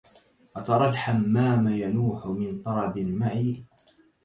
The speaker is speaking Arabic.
أترى الحمام ينوح من طرب معي